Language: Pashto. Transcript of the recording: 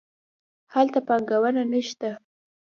هلته پانګونه نه شته.